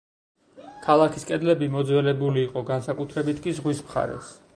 ქალაქის კედლები მოძველებული იყო, განსაკუთრებით კი ზღვის მხარეს.